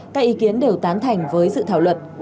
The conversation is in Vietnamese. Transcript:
các ý kiến đều tán thành với dự thảo luật